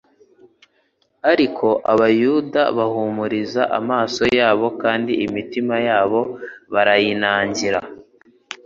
ariko abayuda bahumiriza amaso yabo kandi imitima yabo barayinangira.